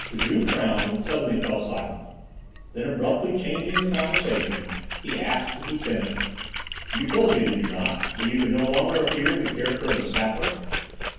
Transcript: Juve frowned and suddenly fell silent. Then abruptly changing the conversation, he asked his lieutenant: "You told me, did you not, that you could no longer appear in the character of the Sapper?"